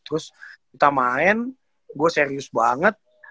terus kita main gue serius banget